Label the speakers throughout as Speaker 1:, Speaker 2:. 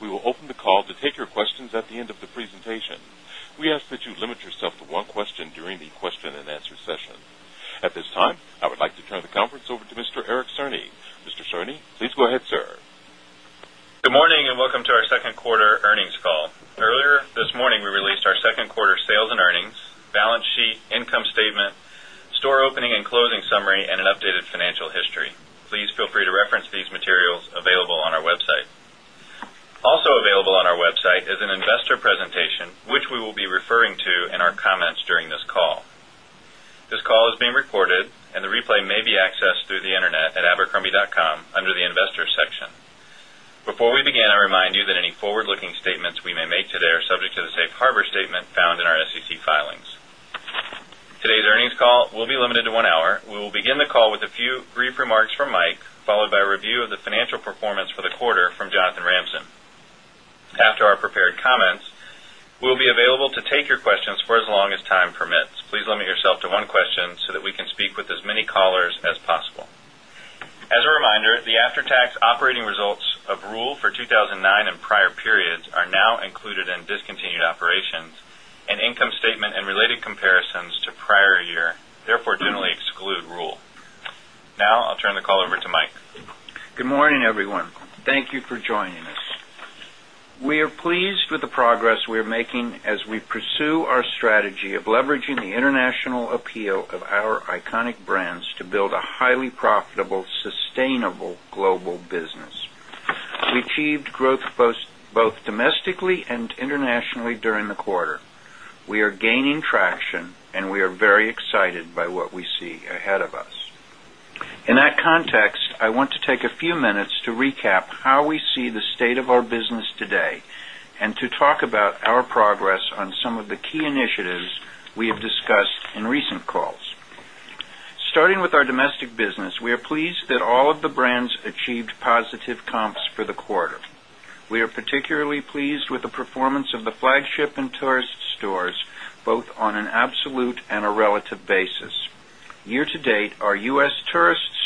Speaker 1: We will open the call to take your questions at the end of the presentation. We ask that you limit yourself to one question during the question and answer session. At this time, I would like to turn the conference over to Mr. Eric Cerny. Mr. Cerny, please go ahead, sir.
Speaker 2: Good morning, and welcome
Speaker 3: to our Q2 earnings call. Earlier this morning, we released our Q2 sales and earnings, balance sheet, income statement, store opening and closing summary and an updated financial history. Please feel free to reference these materials available on our website. Also available on our website is an investor presentation, which we will be referring to in our comments during this call. This call is being recorded and the replay may be accessed through the Internet at abercrombie.com under the Investors section. Before we begin, I remind you that any forward looking statements we may make today are subject to the Safe Harbor statement found in our SEC filings. Today's earnings call will be limited to 1 hour.
Speaker 2: We will begin the call with
Speaker 3: a few brief remarks from Mike, followed by a review of the financial performance for the quarter from Jonathan Ramson. After our prepared comments, we will be available to take your questions for as long as time permits. Please limit yourself to one question so that we can speak with as many callers as possible. As a reminder, the after tax operating results of rule for 2,009 and prior periods are now included in discontinued operations and income statement and related comparisons to prior year, therefore, generally exclude rule. Now, I'll turn the call over to Mike.
Speaker 4: Good morning, everyone. Thank you for joining us. We are pleased with the progress we are making as we pursue our strategy of leveraging the international appeal of our iconic brands to build a highly profitable, sustainable global business. We achieved growth both domestically and internationally during the quarter. We are gaining traction and we are very excited by what we see ahead of us. In that context, I want to take a few minutes to recap how we see the state of our business today and to talk about our progress on some of the key initiatives we have discussed in recent calls. Starting with our domestic business, we are pleased that all of the brands achieved positive comps for the quarter. We are particularly pleased with the performance of the flagship and tourist stores, both on an absolute and a relative basis. Year to date, our U. S. Tourist stores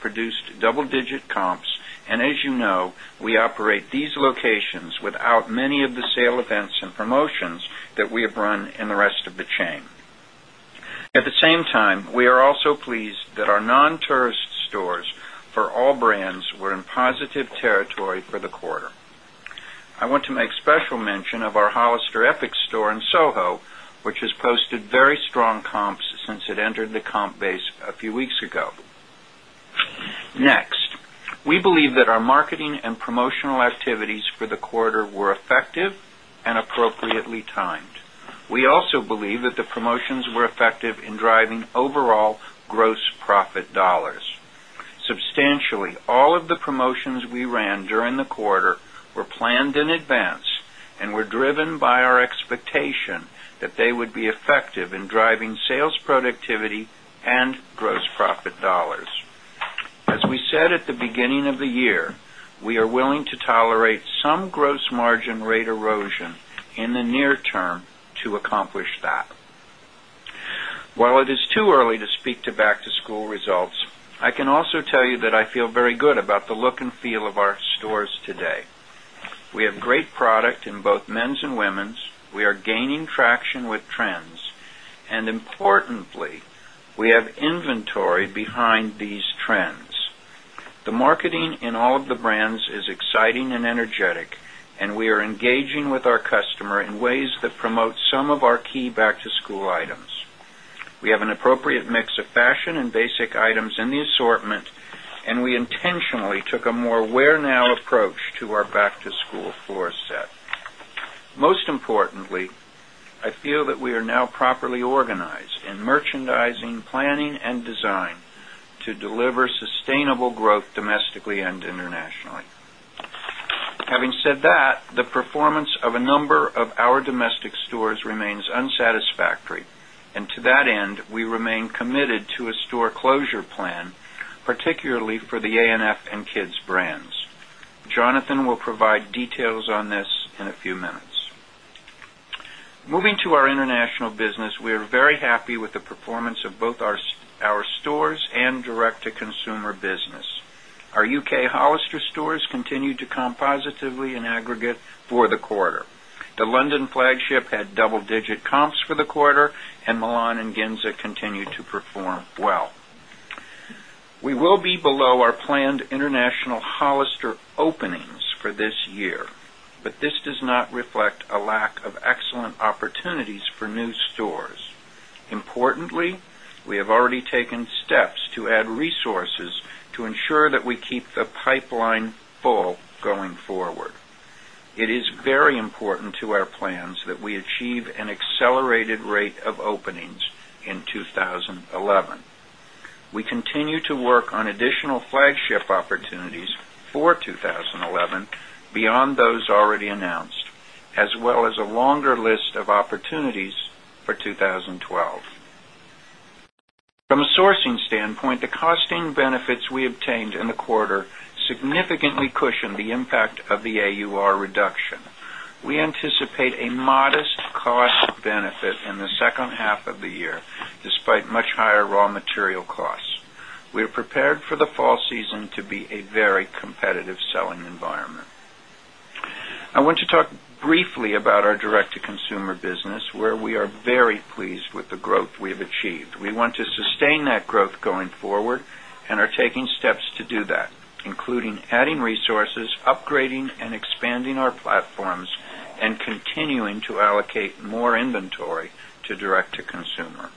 Speaker 4: produced double digit comps. And as you know, we operate these locations without many of the sale events and promotions that we have run-in the rest of the chain. At the same time, we are also pleased that our non tourist stores for all brands were in positive territory for the quarter. I want to make special mention of our Hollister Epic store in SoHo, which has posted very strong comps since it entered the comp base a few weeks ago. Next, we believe that our marketing and promotional activities for the quarter were effective and appropriately timed. We also believe that the promotions were effective in driving overall gross profit dollars. Substantially, all of the promotions we ran during the quarter were planned in advance and were driven by our expectation that they would be effective in driving sales productivity and gross profit dollars. As we said at the beginning of the year, we are willing to tolerate some gross margin rate erosion in the near term to accomplish that. While it is too early to speak to back to school results, I can also tell you that I feel very good about the look and feel of our stores today. We have great product in both men's and women's. We are gaining traction with trends. And importantly, we have inventory behind these trends. The marketing in all of the brands is exciting and energetic, and we are engaging with our customer in ways that promote some of our key back to school items. We have an appropriate mix of fashion and basic items in the assortment and we intentionally took a more wear now approach to our back to school floor set. Most importantly, I feel that we are now properly organized in merchandising, planning and design to deliver sustainable growth domestically and internationally. Having said that, the performance of a number of our domestic stores remains unsatisfactory. And to that end, we remain committed to a store closure plan, particularly for the A and F and Kids brands. Jonathan will provide details on this in a few minutes. Moving to our international business, we are very happy with the performance of both our stores and direct to consumer business. Our U. K. Hollister stores continued to comp positively in aggregate for the quarter. The London flagship had double digit comps for the quarter and Milan and Ginza continued to perform well. We will be below our planned international Hollister openings for this year, but this does not reflect a lack of excellent opportunities for new stores. Importantly, we have already taken steps to add resources to ensure that we keep the pipeline full going forward. It is very important to our plans that we achieve an accelerated rate of openings in 2011. We continue to work on additional flagship opportunities for 2011 beyond those already announced as well as a longer list of opportunities for 2012. From a sourcing standpoint, the costing benefits we obtained in the quarter significantly cushion the impact of the AUR reduction. We anticipate a modest cost benefit in the second half of the year despite much higher raw material costs. We are prepared for the fall season to be a very competitive selling environment. I want to talk briefly about our direct to consumer business where we are very pleased with the growth we have achieved. We want to sustain that growth going forward and are taking steps to do that, including adding resources, upgrading and expanding our platforms and continuing to allocate more inventory to direct to consumer.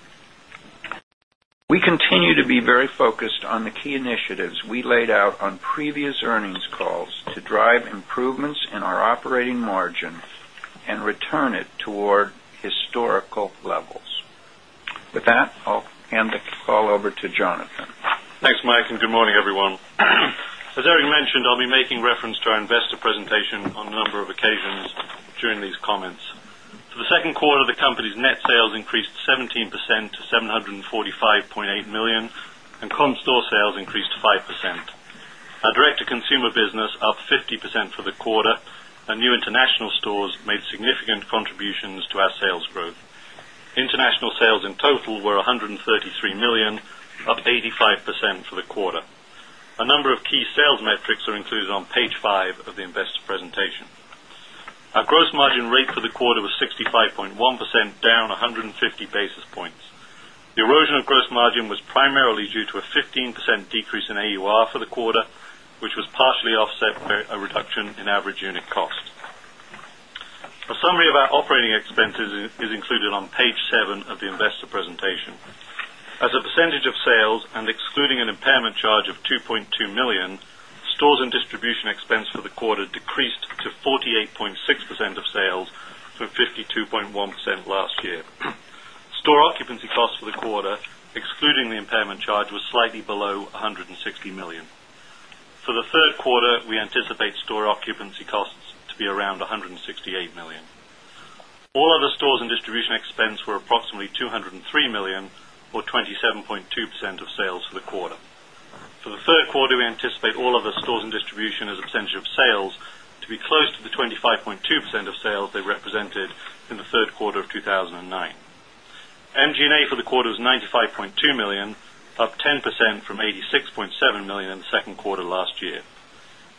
Speaker 4: We continue to be very focused on the key initiatives we laid out on previous earnings calls to drive improvements in our operating margin and return it toward historical levels. With that, I'll hand the call over to Jonathan.
Speaker 2: Thanks, Mike, and good morning, everyone. As Eric mentioned, I'll be making reference to our investor presentation on a number of occasions during these comments. For the Q2, the company's net sales increased 17 percent to $745,800,000 and comp store sales increased 5%. Our direct to consumer business up 50% for the quarter, and new international stores made significant contributions to our sales growth. International sales in total were $133,000,000 up 85% for the quarter. A number of key sales metrics are included on Page 5 of the investor presentation. Our gross margin rate for the quarter was 65.1 percent, down 150 basis points. The erosion of gross margin was primarily due to a 15% decrease in AUR for the quarter, which was partially offset by a reduction in average unit cost. A summary of our operating expenses is included on Page 7 of the investor presentation. As a percentage of sales and excluding an impairment charge of $2,200,000 stores and distribution expense for the quarter decreased to 48 point percent of sales from 52.1 percent last year. Store occupancy costs for the quarter, excluding the impairment charge, was slightly below $160,000,000 For the Q3, we anticipate store occupancy costs be around $168,000,000 All other stores and distribution expense were approximately $203,000,000 or 27.2 percent of sales for the quarter. For the Q3, we anticipate all other stores and distribution as a percentage of sales be close to the 25.2 percent of sales they represented in the Q3 of 2009. MG and A for the quarter was $95,200,000 up 10% from $86,700,000 in the Q2 last year.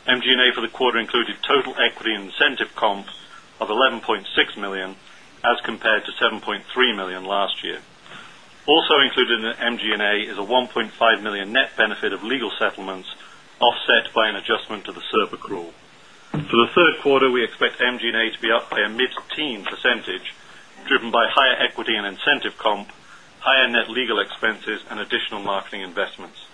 Speaker 2: MG and A for the quarter included total equity incentive comp of $11,600,000 as compared to $7,300,000 last year. Also included in the MG and A is a $1,500,000 net benefit of legal settlements offset by an adjustment to the SERP accrual.
Speaker 5: For the
Speaker 2: Q3, we expect MG and A to be up by a mid teen percentage, driven by higher equity and incentive comp, higher net legal expenses and additional marketing investments.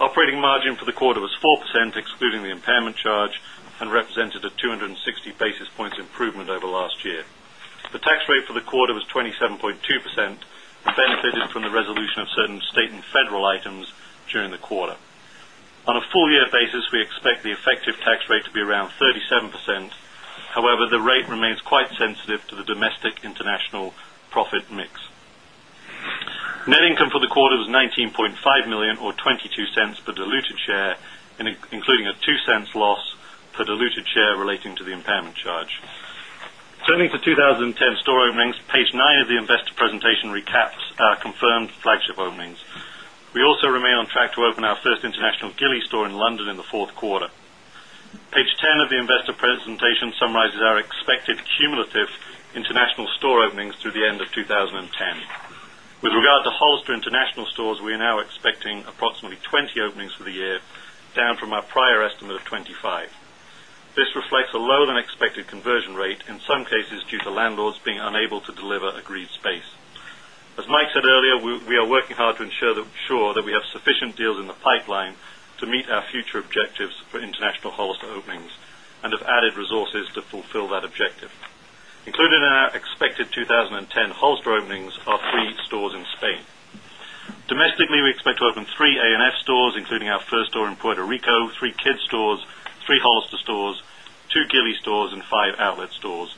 Speaker 2: Operating margin for the quarter was 4% excluding the impairment charge and represented a 260 basis points improvement over last year. The tax rate for the quarter was 27.2% and benefited from the resolution of certain state and federal items during the quarter. On a full year basis, we expect the effective tax rate to be around 37%. However, the rate remains quite sensitive to the domestic international profit mix. Net income for the quarter was $19,500,000 or $0.22 per diluted share, including a $0.02 loss per diluted share relating to the impairment charge. Turning to 2010 store openings, Page 9 of the investor presentation recaps our confirmed flagship openings. We also remain on track to open our 1st international Gilly store in London in the Q4. Page 10 of the investor presentation summarizes our expected cumulative international store openings through the end of 2010. With regard to Hollister International Stores, we are now expecting approximately 20 openings for the year, down from our prior estimate of 25. This reflects a lower than expected conversion rate, in some cases due to landlords being unable to deliver agreed space. As Mike said earlier, we are working hard to ensure that we have sufficient deals in the pipeline to meet our future objectives for international Hollister openings and have added resources to fulfill that objective. Included in our expected 2010 Holster openings are 3 stores in Spain. Domestically, we expect to open 3 A and F stores, including our first store in Puerto Rico, 3 kids stores, 3 Holster stores, 2 Geely stores and 5 outlet stores.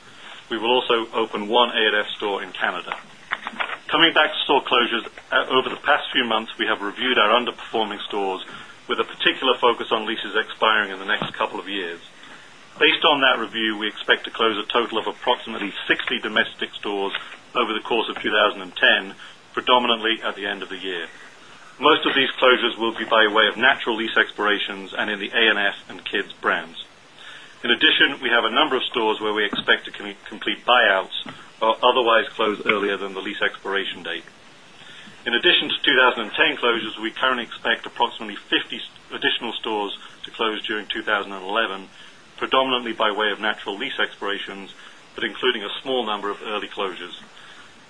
Speaker 2: We will also open 1 A and F store in Canada. Coming back to store closures. Over the past few months, we have reviewed our underperforming stores with a particular focus on leases expiring in the next couple of years. Based on that review, we expect to close a total of approximately 60 domestic stores over the course of 2010, predominantly at the end of the year. Most of these closures will be by way of natural lease expirations and in the A and S and kids brands. In addition, we have a number of stores where we expect to complete buyouts or otherwise close earlier than the lease expiration date. In addition to 2010 closures, we currently expect approximately 50 additional stores to close during 2011, predominantly by way of natural lease expirations, but including a small number of early closures.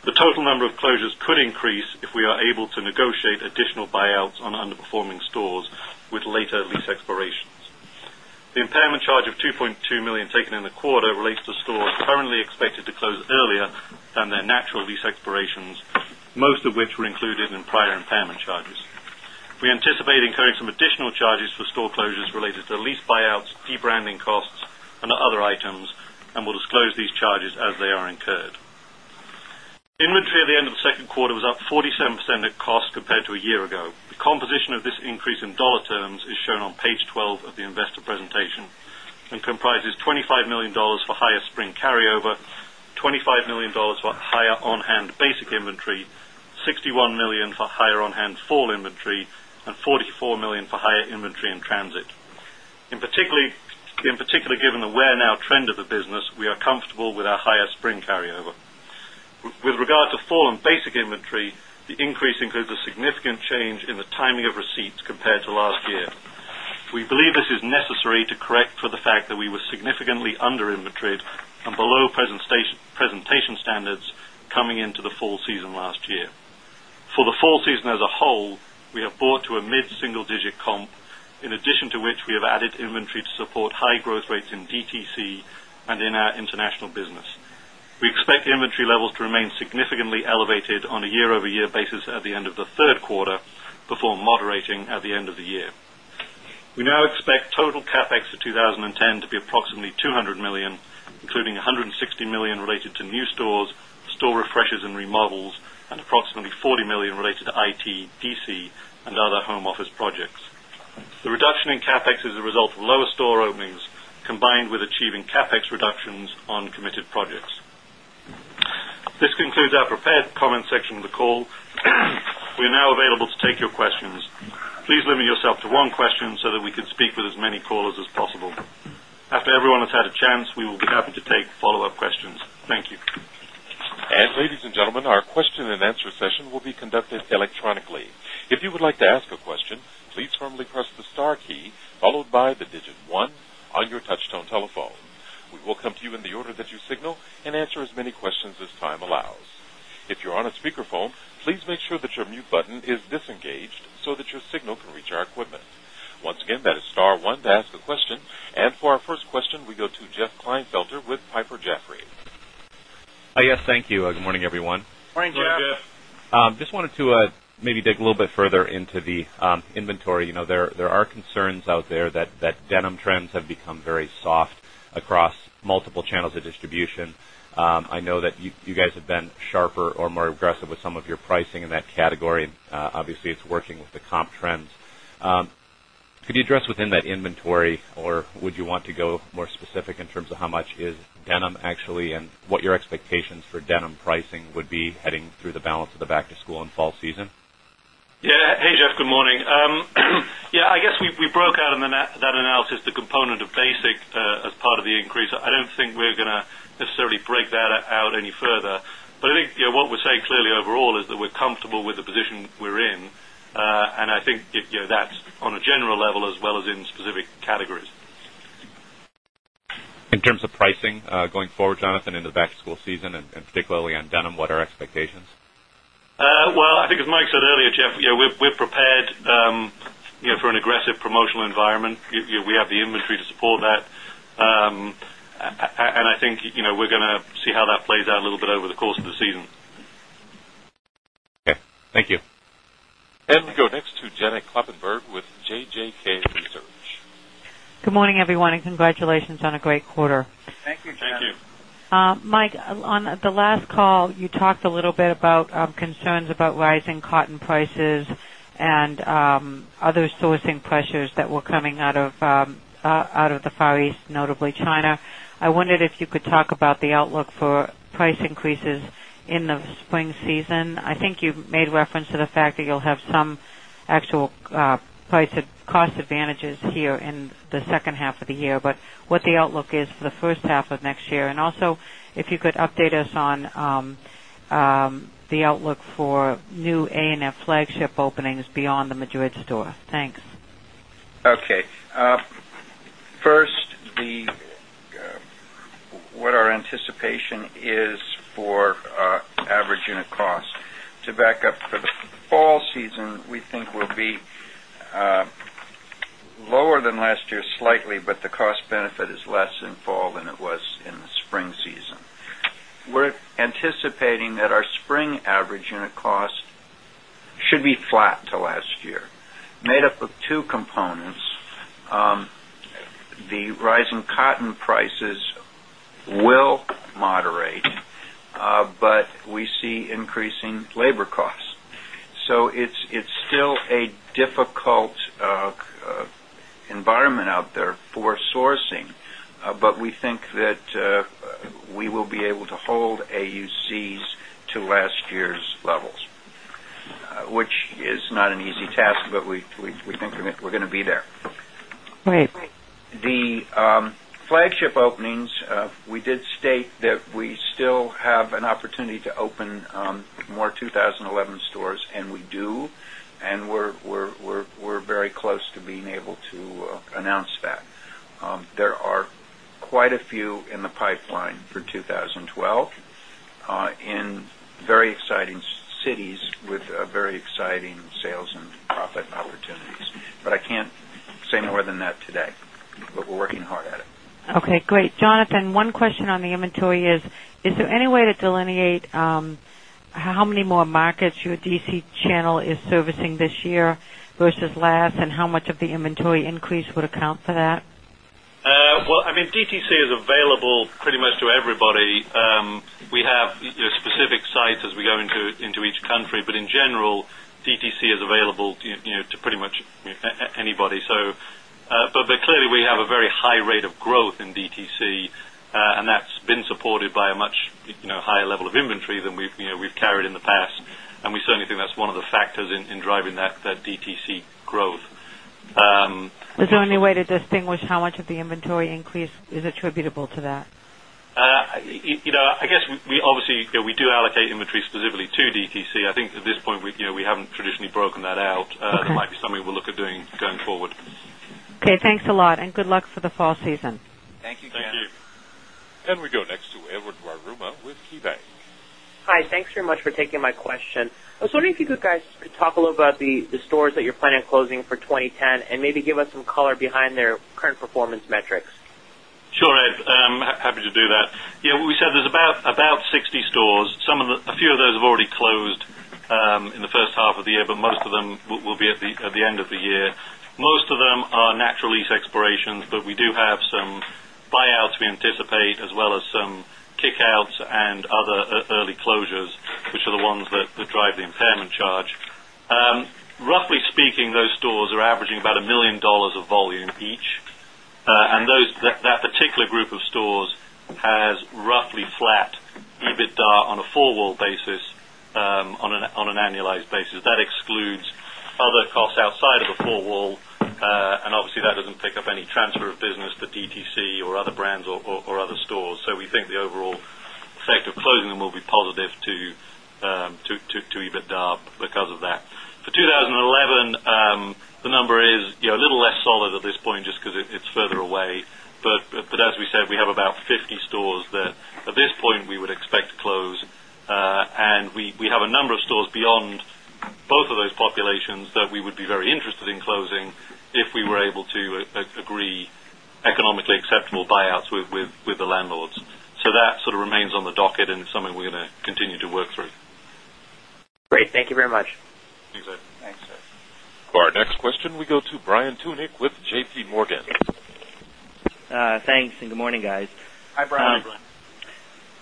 Speaker 2: The total number of closures could increase if we are able to negotiate additional buyouts on underperforming stores with later lease expirations. The impairment charge of $2,200,000 taken in the quarter relates to stores currently expected to close earlier than their natural lease expirations, most of which were included in prior impairment charges. We anticipate incurring some additional charges for store closures related to lease buyouts, debranding costs and other items, and we'll disclose these charges as they are incurred. Inventory at the end of the second quarter was up 47% at cost compared to a year ago. The composition of this increase in dollar terms is shown on Page 12 of the investor presentation and comprises $25,000,000 for higher spring carryover, dollars 25,000,000 for higher on hand basic inventory, dollars 61,000,000 for higher on hand fall inventory and $44,000,000 for higher inventory in transit. In particular, given the where now trend of the business, we are comfortable with our higher spring carryover. With regard to fall and basic inventory, the increase includes a significant change in the timing of receipts compared to last year. We believe this is necessary to correct for the fact that we were significantly under inventory and below presentation standards coming into the fall season last year. For the fall season as a whole, we have bought to a mid single digit comp, in addition to which we have added inventory to support high growth rates in DTC and in our international business. We expect inventory levels to remain significantly elevated on a year over year basis at the end of the Q3, perform moderating at the end of the year. We now expect total CapEx for 20.10 to be approximately $200,000,000 including $160,000,000 related to new stores, store refreshes and remodels and approximately $40,000,000 related to IT, DC and other home office projects. The reduction in CapEx is a result of lower store openings combined with achieving CapEx reductions on committed projects. This concludes our prepared comments section of the call. We are now available to take your questions. Please limit yourself to one question so that we can speak with as many callers as possible. After everyone has had
Speaker 1: a chance, we will be happy to take follow-up questions. Thank you. And ladies and gentlemen, our question and answer session will be conducted electronically. You. And for our first question, we go to Jeff Klinefelter with Piper Jaffray.
Speaker 6: Yes, thank you. Good morning, everyone.
Speaker 2: Good morning, Jeff.
Speaker 6: Just wanted to maybe dig a little bit further into the inventory. There are concerns out there that denim trends have become very soft across multiple channels of distribution. I know that you guys have been sharper or more aggressive with some of your pricing in that category. Obviously, it's working with the comp trends. Could you address within that inventory? Or would you want to go more specific in terms of how much is denim actually? And what your expectations for denim pricing would be heading through the balance of the back to school and fall season?
Speaker 2: Yes. Jeff, good morning. Yes, I guess, we broke out in that analysis the component of basic as part of the increase. I don't think we're going to necessarily break that out any further. But I think what we're saying clearly overall is that we're comfortable with the position we're in. And I think that's on a general level as well as in specific categories.
Speaker 6: In terms of pricing going forward, Jonathan, into the back to school season and particularly on denim, what are expectations?
Speaker 2: Well, I think as Mike said earlier, Jeff, we're prepared for an aggressive promotional environment. We have the inventory to support that. And I think we're going to see how that plays out a little bit over the course of the season.
Speaker 6: Okay. Thank you.
Speaker 1: And we go next to Janet Kloppenburg with JJK Research.
Speaker 7: Good morning, everyone, and congratulations on a great quarter.
Speaker 5: Thank you, Janet. Thank you.
Speaker 7: Mike, on the last call, you talked a little bit about concerns about rising cotton prices and other sourcing pressures that were coming out of the Far East, notably China. I wondered if you could talk about the outlook for price increases in the spring season. I think you've made reference to the fact that you'll have some actual price cost advantages here in the second half of the year, but what the outlook is for the first half of next year? And also if you could update us on the outlook for new A and F flagship openings beyond the Madrid store? Thanks.
Speaker 4: Okay. First, what our anticipation is for average unit costs. To back up for the fall season, we think will be lower than last year slightly, but the cost benefit is less in fall than it was in the spring season. We're anticipating that our spring average unit cost should be flat to last year, made up of 2 components. The rising cotton prices will moderate, but we see increasing labor costs. So it's still a difficult environment out there for sourcing, but we think that we will be able to hold AUCs to last year's levels, which is not an easy task, but we think we're going to be there. The flagship openings, we did state that we still have an opportunity to open more 2011 stores and we do and we're very close to being able to announce that. There are quite a few in the pipeline for 2012 in very exciting cities with very exciting sales and profit opportunities. But I can't say more than that today, but we're working hard at it.
Speaker 7: Okay, great. Jonathan, one question on the inventory is, is there any way to delineate how many more markets your DC channel is servicing this year versus last and how much of the inventory increase would account for that?
Speaker 2: Well, I mean DTC is available pretty much to everybody. We have specific sites as we go into each country. But in general, DTC is available to pretty much anybody. So but clearly, we have a very high rate of growth in DTC and that's been supported by a much higher level of inventory than we've carried in the past. And we certainly think that's one of the factors in driving that DTC growth.
Speaker 7: Is there any way to distinguish how much of the inventory increase is attributable to that?
Speaker 2: I guess, we obviously we do allocate inventory specifically to DTC. I think at this point, we haven't traditionally broken that out. It might be something look at doing going forward.
Speaker 7: Okay. Thanks a lot and good luck for the fall season.
Speaker 3: Thank you, Ken. Thank you.
Speaker 1: And we go next to Edward Yruma with KeyBanc.
Speaker 5: Hi. Thanks very much for taking my question. I was wondering if you could guys talk a little about the stores that you're planning on closing for 2010 and maybe give us some color behind their current performance metrics?
Speaker 2: Sure, Ed. I'm happy to do that. Yes, we said there's about 60 stores. Some of the a few of those have already closed in the first half of the year, but most of them will be at the end of the year. Most of them are natural lease expirations, but we do have some buyouts we anticipate as well as some kick outs and other early closures, which are the ones that drive the impairment charge. Roughly speaking, those stores are averaging about $1,000,000 of volume each. And those that particular group of stores has roughly flat EBITDA on a 4 wall basis on an annualized basis. That excludes other costs outside of the 4 wall. And obviously, that doesn't pick up any transfer of business to DTC or other brands or other stores. So we think the overall effect of closing them will be positive to EBITDA because of that. For 2011, the number is a little less solid at this point just because it's further away. But as we said, we have about 50 stores that, at point we would expect to close. And we have a number of stores beyond both of those populations that we would be very interested in closing if we were able to agree economically acceptable buyouts with the landlords. So that sort of remains on the docket and something we're going to continue to work through.
Speaker 5: Great. Thank you very much.
Speaker 2: Thanks, Ed.
Speaker 1: Our next question, we go to Brian Tunic with JPMorgan.
Speaker 5: Thanks and good morning guys.
Speaker 3: Hi, Brian.
Speaker 2: Hi, Brian.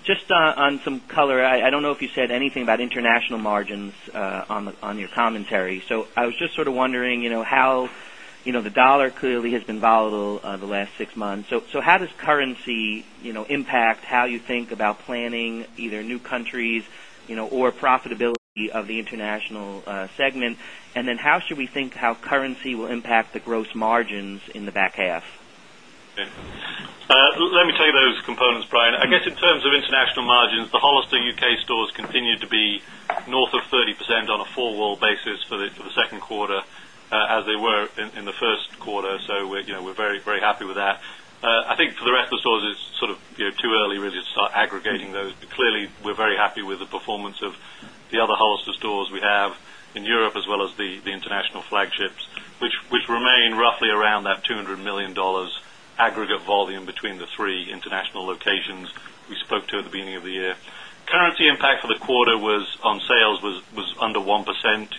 Speaker 5: Just on some color, I don't know if you said anything about international margins on your commentary. So I was just sort of wondering how the dollar clearly has been volatile over the last 6 months. So how does currency impact how you think about planning either new countries or profitability of the international segment? And then how should we think how currency will impact the gross margins in the back half?
Speaker 2: Let me tell you those components, Brian. I guess, in terms of international margins, the Hollistering UK stores continue to be north of 30% on a 4 wall basis for the Q2 as they were in the Q1. So we're very, very happy with that. I think for the rest of the stores, it's sort of too early really to start aggregating those. But clearly, we're very happy with the performance of the other Hollister stores we have in Europe as well as the international flagships, which remain roughly around that $200,000,000 aggregate volume between the 3 international locations we spoke to at the beginning of the year. Currency impact for the quarter was on sales was under 1%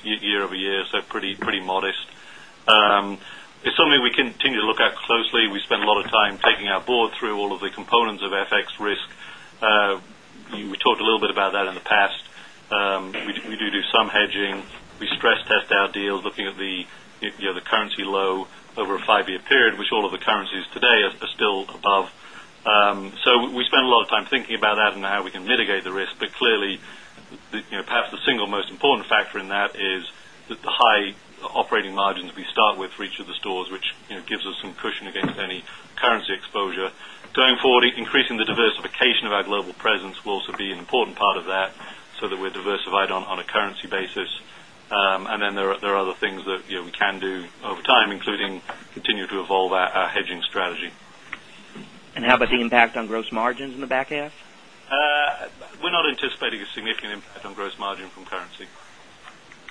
Speaker 2: year over year, so pretty modest. It's something we continue to look at closely. We spent a lot of time taking our board through all of the components of FX risk. We talked a little bit about that in the past. We do do some hedging. We stress test our deals, looking at the currency low over a 5 year period, which all of the currencies today are still above. So we spend a lot of time thinking about that and how we can mitigate the risk. But clearly, perhaps the single most important factor in that is that the high operating margins we start with for each of the stores, which gives us some cushion against any currency exposure. Going forward, increasing the diversification of our global presence will also be an important part of that, so that we're diversified on a currency basis. And then there are other things that we can do over time, including continue to evolve our hedging strategy.
Speaker 5: And how about the impact on gross margins in the back half?
Speaker 2: We're not anticipating a significant impact on gross margin from currency.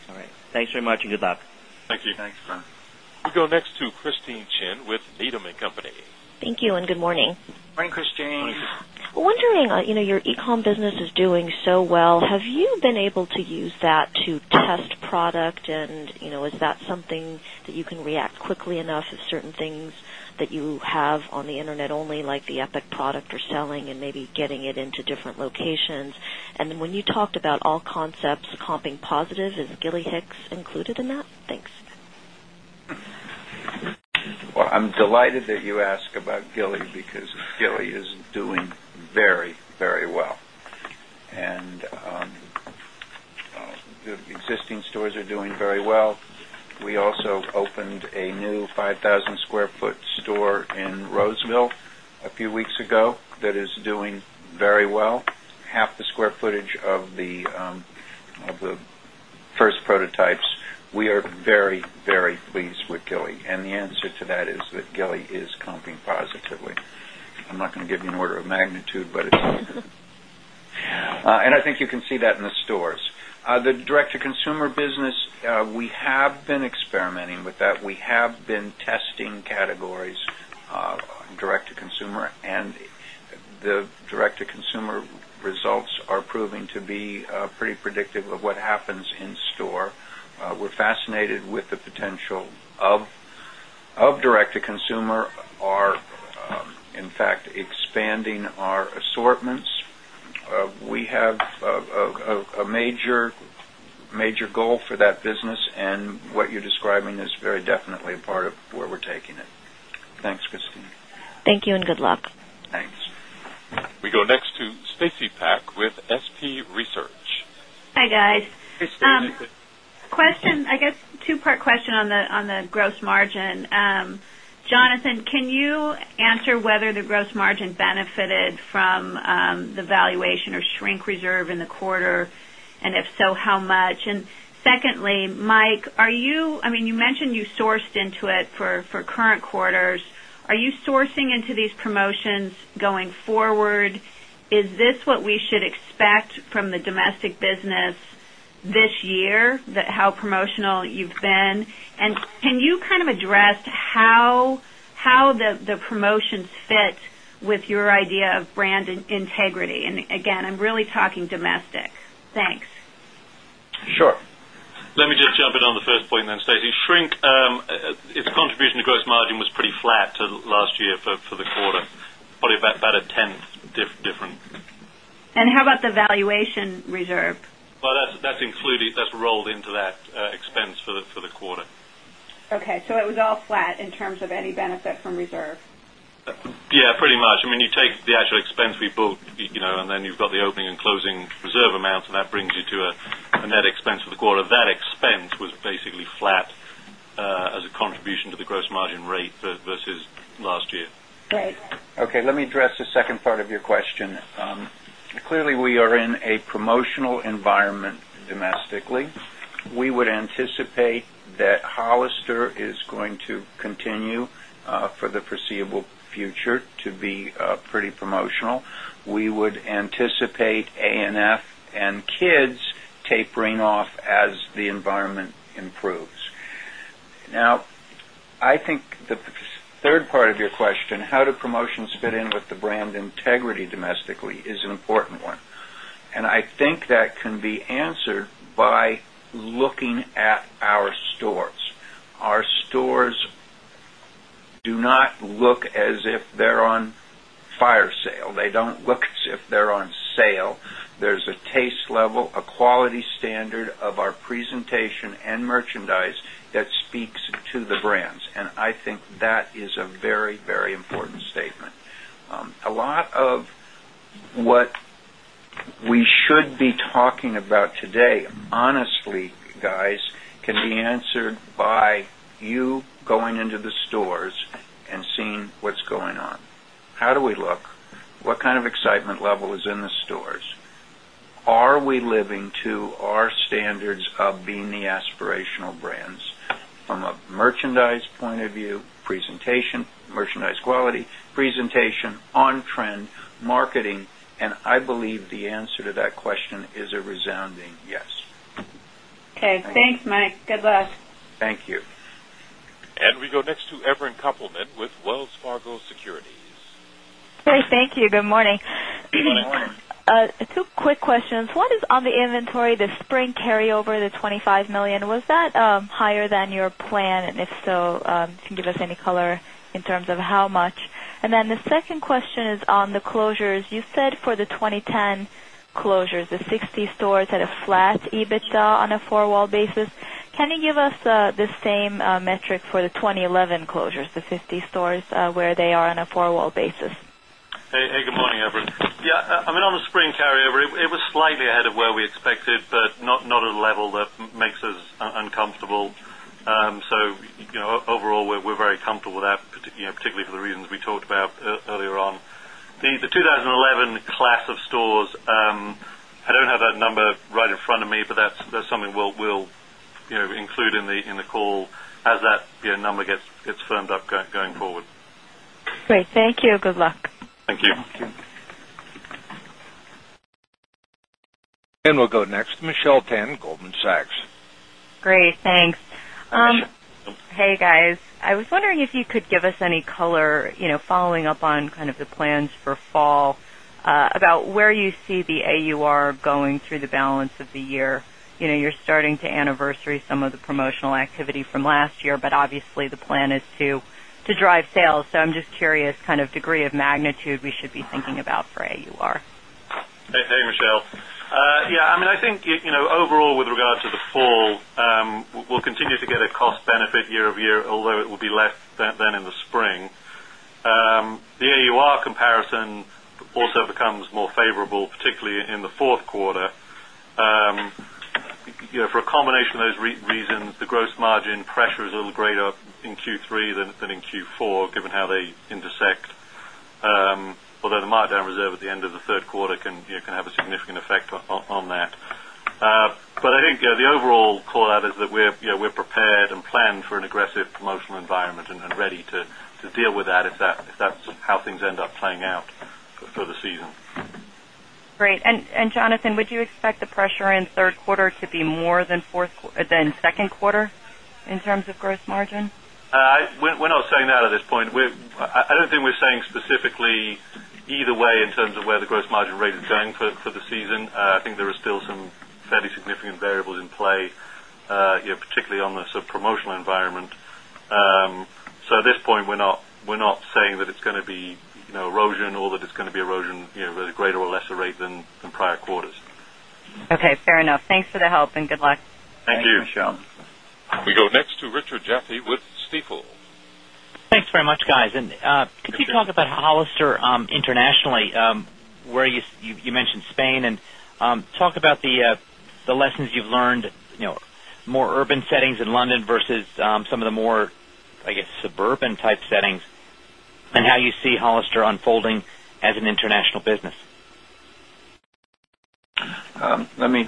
Speaker 8: All right.
Speaker 5: Thanks very much and good luck.
Speaker 2: Thank you. Thanks, Brian.
Speaker 1: We'll go next to Christine Chen with Needham and Company.
Speaker 9: Thank you and good morning.
Speaker 4: Good morning, Christine.
Speaker 9: Wondering, your e comm business is doing so well. Have you been able to use that to test product? And is that something that you can react quickly enough to certain things that you have on the Internet only like the Epic product you're selling and maybe getting it into different locations? And then when you talked about all concepts comping positive, is Gilly Hicks included in that? Thanks.
Speaker 4: Well, I'm delighted that you asked about Gilly because Gilly is doing very, very well. And the existing stores are doing very well. We also opened a new 5,000 square foot store in Roseville a few weeks ago that is doing very well, half the square footage of the first prototypes, we are very, very pleased with Gilly. And the answer to that is that Gilly is comping positively. I'm not going to give you an order of magnitude, but it's
Speaker 6: and I think you
Speaker 4: can see that in the stores. The direct to consumer business, we have been experimenting with that. We have been testing categories direct to consumer and the direct to consumer results are proving to be pretty predictive of what happens in store. We're fascinated with the potential of direct to consumer are, in fact, expanding our assortments. We have a major goal for that business and what you're describing is very definitely a part of where we're taking it. Thanks, Christine.
Speaker 9: Thank you and good luck.
Speaker 1: Thanks. We go next to Stacy Pack with SP Research.
Speaker 10: Hi, guys. Hi Stacy. Question, I guess 2 part question on the gross margin. Jonathan, can you answer whether the gross margin benefited from the valuation or shrink reserve in the quarter? And if so, how much? And secondly, Mike, are you I mean, you mentioned you sourced into it for current quarters. Are you sourcing into these promotions going forward? Is this what we should expect from the domestic business this year that how promotional you've been? And can you kind of address how the promotions fit with your idea of brand integrity? And again, I'm really talking domestic. Thanks.
Speaker 2: Sure. Let me just jump in on the first point and then Stacy. Shrink, its contribution to gross margin was pretty flat to last year for the quarter, probably about a 10th different.
Speaker 10: And how about the valuation reserve?
Speaker 2: Well, that's included that's rolled into that expense for the
Speaker 9: quarter. Okay. So it
Speaker 10: was all flat in terms of any benefit from reserve?
Speaker 2: Yes, pretty much. I mean, you take the actual expense we booked, then you've got the opening and closing reserve amounts and that brings you to a net expense for the quarter. That expense was basically flat as a contribution to the gross margin rate versus last year.
Speaker 4: Let me address the second part of your question. Clearly, we are in a promotional environment domestically. We would anticipate that Hollister is going to continue for the foreseeable future to be pretty promotional. We would anticipate A and F and kids tapering off as the environment improves. Now, I think the third part of your question, how do promotions fit in with the brand integrity domestically is an important one. And I think that can be answered by looking at our stores. Our stores do not look as if they're on fire sale. They don't look as if they're on sale. There's a taste level, a quality standard of our presentation and merchandise that speaks to the brands. And I think that is a very, very important statement. A lot of what we should be talking about today, honestly, guys, can be answered by you going into the stores and seeing what's going on. How do we look? What kind of excitement level is in the stores? Are we living to our standards of being the aspirational brands from a merchandise point of view, presentation, merchandise quality, presentation, on trend, marketing, and I believe the answer to that question is a resounding yes.
Speaker 10: Thanks Mike. Good luck.
Speaker 4: Thank you.
Speaker 1: And we go next to Evelyn Coupleman with Wells Fargo Securities.
Speaker 9: Hi, thank you. Good morning. Good morning. Two quick questions. One is on the inventory, the spring carryover, the $25,000,000 was that higher than your plan? And if so, can you give us any color in terms of how much? And then the second question is on the closures. You said for the 2010 closures, the 60 stores had a flat EBITDA on a 4 wall basis. Can you give us the same metric for the 2011 closures, the 50 stores where they are on a 4 wall basis?
Speaker 2: Hey, good morning, everyone. Yes, I mean, on the spring carryover, it was slightly ahead of where we expected, but not at a level that makes us uncomfortable. So overall, we're very comfortable with that, particularly for the reasons we talked about earlier on. The 2011 class of stores, I don't have that number right in front of me, but that's something we'll include in the call as that number gets firmed up going forward.
Speaker 9: Great. Thank you. Good luck.
Speaker 2: Thank
Speaker 4: you. And we'll go next to Michelle Tan, Goldman Sachs.
Speaker 11: Great. Thanks. Hey, guys. I was wondering if you could give us any color following up on kind of the plans for fall about where you see the AUR going through the balance of the year. You're starting to anniversary some of the promotional activity from last year, but obviously the plan is to drive sales. So I'm just curious kind of degree of magnitude we should be thinking about for AUR.
Speaker 2: Hey, Michelle. Yes, I mean, I think overall with regard to the fall, we'll continue to get a cost benefit year over year, although it will be less than in the spring. The AUR comparison also becomes more favorable, particularly in the Q4. For a combination of those reasons, the gross margin pressure is a little greater in Q3 than in Q4, given how they intersect, although the markdown reserve at the end of the Q3 can have a significant effect on that. But I think the overall call out is that we're prepared and planned for an aggressive promotional environment and ready to deal with that if that's how things end up playing out for the season.
Speaker 11: Great. And Jonathan, would you expect the pressure in Q3 to be more than Q4 in terms of gross margin?
Speaker 2: We're not saying that at this point. I don't think we're saying specifically either way in terms of where the gross margin rate is going for the season. I think there are still some fairly significant variables in play, particularly on the sort of promotional environment. So at this point, we're not saying that it's going to be erosion or that it's going to be erosion at a greater or lesser rate than prior quarters.
Speaker 11: Okay, fair enough. Thanks for the help and good luck.
Speaker 1: Thank you. We go next to Richard Jaffe with Stifel.
Speaker 5: Thanks very much guys. And could you talk about Hollister internationally, where you mentioned Spain and talk about the lessons you've learned, more urban settings in London versus some of the more, I guess, suburban type settings and how you see Hollister unfolding as an international business?
Speaker 4: Let me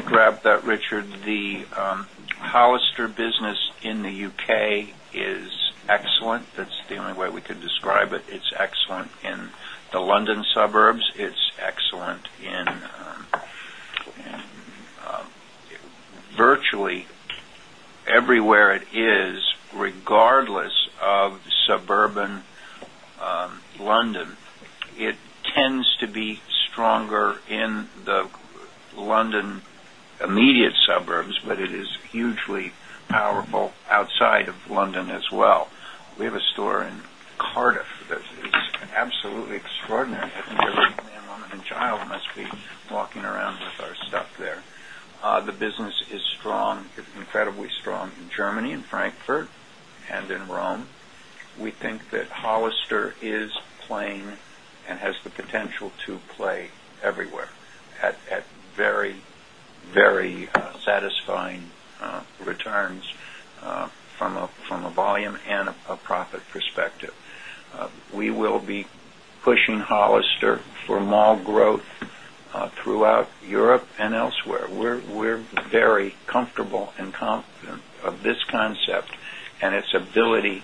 Speaker 4: grab that Richard. The Hollister business in the UK is excellent. That's the only way we could describe it. It's excellent in the London suburbs. It's excellent in virtually everywhere it is regardless of suburban London. It tends to be stronger in the London immediate suburbs, but it is hugely powerful outside of London as well. We have a store in Cardiff that is absolutely extraordinary. I think the man, woman and child must be walking around with our stuff there. The business is strong, incredibly strong in Germany, in Frankfurt and in Rome. We think that Hollister is playing and has the potential to play everywhere at very, very satisfying returns from a volume and a profit perspective. We will be pushing Hollister for mall growth throughout Europe and elsewhere. We're very comfortable of this concept and its ability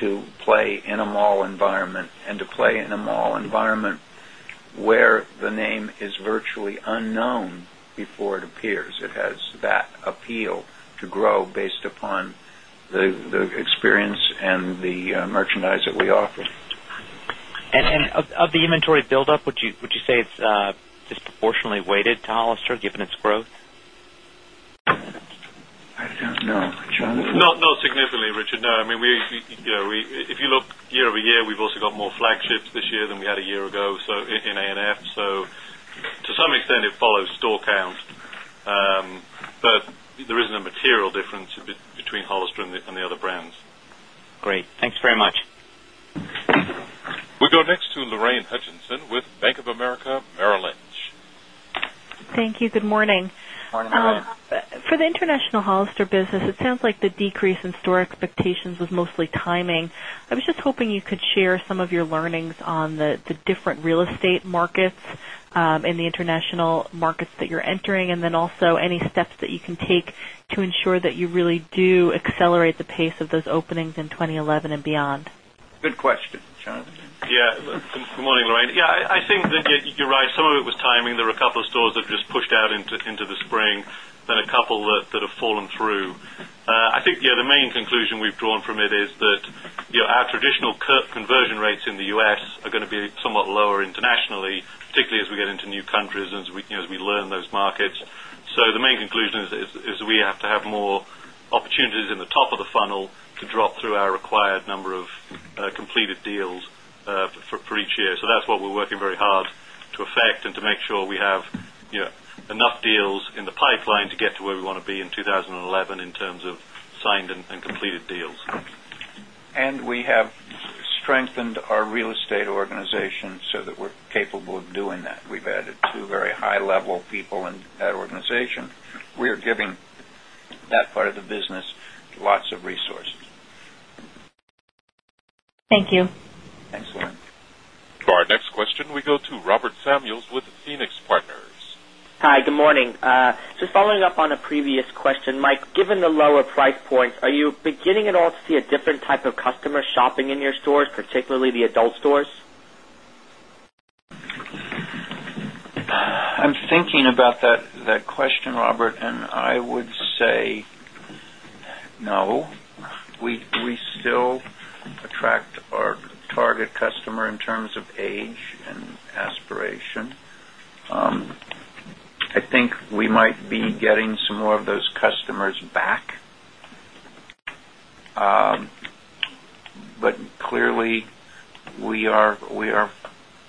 Speaker 4: to play in a mall environment and to play in a mall environment where the name is virtually unknown before it appears. It has that appeal to grow based upon the experience and the merchandise that we offer.
Speaker 5: And of the inventory buildup, would you say it's disproportionately weighted to Hollister given its growth?
Speaker 4: I don't know. John?
Speaker 2: Not significantly, Richard. No. I mean, we if you look year over year, we've also got more flagships this year than we had a year ago, so in A and F. So to some extent, it follows store count. But there isn't a material difference between Hollister and the other brands.
Speaker 5: Great. Thanks very much.
Speaker 1: We'll go next to Lorraine Hutchinson with Bank of America Merrill Lynch.
Speaker 12: Thank you. Good morning.
Speaker 9: For the international Hollister business, it sounds like
Speaker 12: the decrease in store expectations was mostly timing. I was just hoping you could share some of your learnings on the different real estate markets in the international markets that you're entering and then also any steps that you can take to ensure that you really do accelerate the pace of those openings in 2011 beyond?
Speaker 2: Good question, Sean. Yes. Good morning, Lorraine. Yes, I think that you're right. Some of it was timing. There were a couple of stores that just pushed out into the spring than a couple that have fallen through. I think, yes, the main conclusion we've drawn from it is that our traditional conversion rates in the U. S. Are going to be somewhat lower internationally, particularly as we get into new countries and as we learn those markets. The main conclusion is we have to have more opportunities in the top of the funnel to drop through our required number of completed deals for each year. So that's what we're working very hard to affect and to make sure we have
Speaker 5: enough deals in the
Speaker 2: pipeline to get to where we want to be in deals in the pipeline to get to where we want to be in 2011 in terms of signed and completed deals.
Speaker 4: And we have strengthened our real estate organization so that we're capable of doing that. We've added 2 very high level people in that organization. We are giving that part of the business lots of resources.
Speaker 9: Thank you.
Speaker 4: Thanks, Lauren.
Speaker 1: Our next question, we go to Robert Samuels with Phoenix Partners.
Speaker 5: Hi, good morning. Just following up on a previous question, Mike, given the lower price points, are you beginning at all to see a different type of customer shopping in your stores, particularly the adult stores?
Speaker 4: I'm thinking about that question, Robert, and I would say no. We still attract our target customer in terms of age and aspiration. I think we might be getting some more of those customers back. But clearly, we are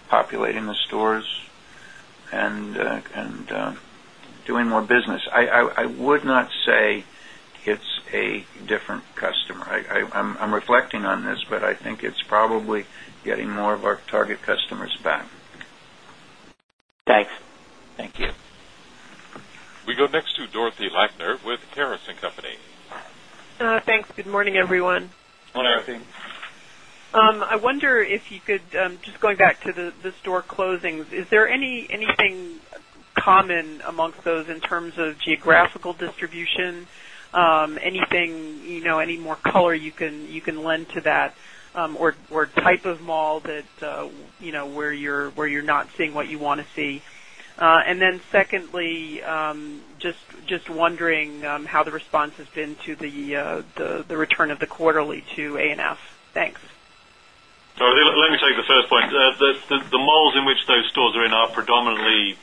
Speaker 4: populating the stores and doing more business. I would not say it's a different customer. I'm reflecting on this, but I think it's probably getting more of our target customers back.
Speaker 5: Thanks.
Speaker 4: Thank you.
Speaker 1: We go next to Dorothy Lachner with Carris and Company.
Speaker 13: Thanks. I wonder if you could just going back to the store closings, is there anything common amongst those in terms of geographical distribution? Anything any more color you can lend to that or type of mall that where you're not seeing what you want to see? And then secondly, just wondering how the response has been to the return of the quarterly to A and F?
Speaker 2: Let me take the first point. The malls in which those stores are in are predominantly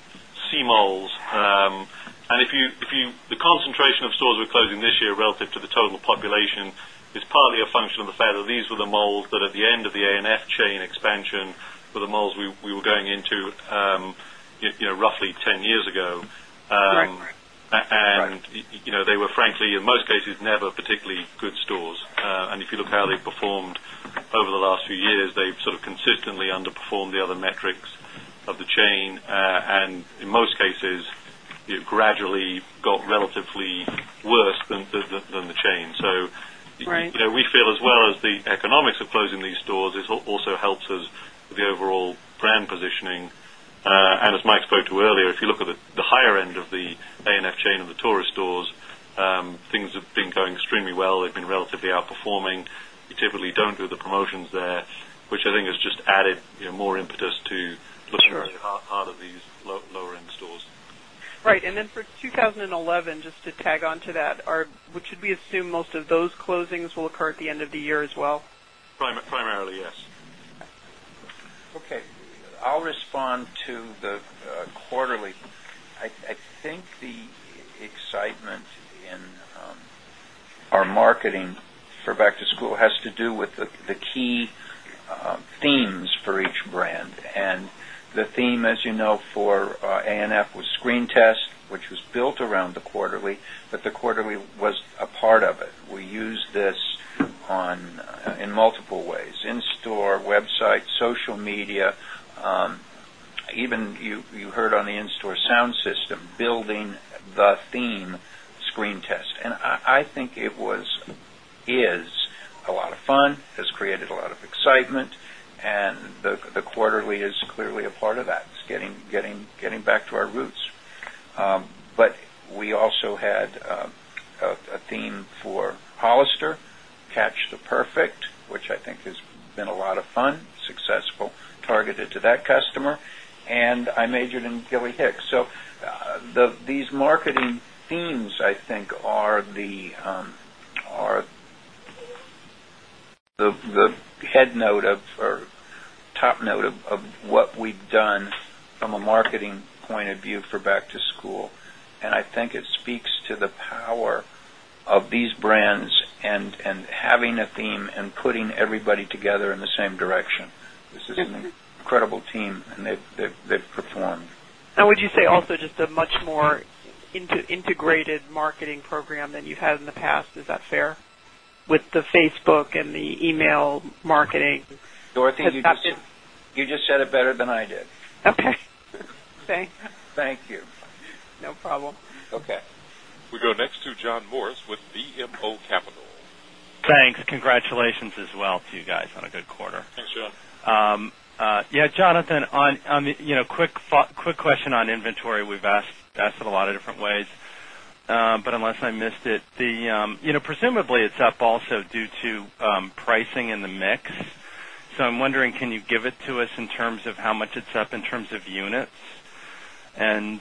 Speaker 2: C malls. And if you the concentration of stores we're closing this year relative to the total population is partly a function of the fact that these were the malls that at the end of the A and F chain expansion were the malls we were going into roughly 10 years ago. And they were frankly, in most cases, never particularly good stores. And if you look how they performed over the last few years, they've sort of consistently underperformed the other metrics of the chain. And in most cases, gradually got relatively worse than the chain. So we feel as well as the economics of closing these stores, it also helps us with the overall brand positioning. And as Mike spoke to earlier, if you look at the higher end of the A and F chain of the tourist stores, things have been going extremely well. They've been relatively outperforming. You typically don't do the promotions there, which I think has just added more impetus to look at the part of these lower end stores.
Speaker 13: Right. And then for 2011, just to tag on to that, should we assume most of those closings will occur at the end of the year as well?
Speaker 2: Primarily, yes.
Speaker 4: Okay. I'll respond to the quarterly. I think the excitement in our marketing for back to school has to do with the key themes for each brand. And the theme, as you know, for A and F was screen test, which was built around the quarterly, but the quarterly was a part of it. We used this in multiple ways, in store, website, social media, even you heard on the in store sound system, building the theme screen test. And I think it was is a lot of fun, has created a lot of excitement and the quarterly is clearly a part of that. It's getting back to our roots. But we also had a theme for Hollister, Catch the Perfect, which I think has been a lot of fun, successful targeted to that customer and I majored in Gilly Hicks. So these marketing themes I think are the head note of or top note of what we've done from a marketing point of view for back to school. And I think it speaks to the power of these brands and having a theme and putting everybody together in the same direction. This is an incredible team and they've performed.
Speaker 13: Would you say also just a much more integrated marketing program than you've had in the past, is that fair with the Facebook and the email marketing?
Speaker 5: Dorothy, you
Speaker 4: just said it better than I did.
Speaker 13: Okay. Thanks.
Speaker 4: Thank you.
Speaker 13: No problem. Okay.
Speaker 1: We go next to John Morris with BMO Capital.
Speaker 8: Thanks. Congratulations as well to you guys on a good quarter.
Speaker 2: Thanks, John.
Speaker 8: Joe. Yes, Jonathan, quick question on inventory. We've asked it a lot of different ways, but unless I missed it. Presumably, it's up also due to pricing in the mix. So I'm wondering, can you give to us in terms of how much it's up in terms of units? And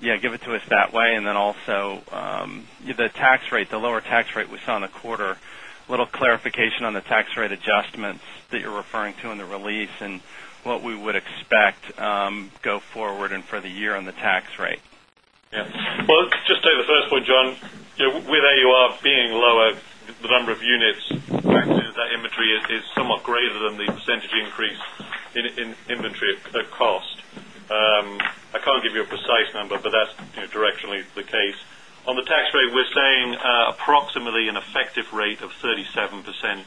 Speaker 8: yes, give it to us that way. And then also the tax rate, the lower tax rate we saw in the quarter, little clarification on the tax rate adjustments that you're referring to in the release and what we would expect go forward and for the year on the tax rate?
Speaker 2: Yes. Well, just take the first point, John. With AUR being lower, the number of units, the fact is that inventory is somewhat greater than the percentage increase in inventory cost. I can't give you a precise number, but that's directionally the case. On the tax rate, we're saying approximately an effective rate of 37%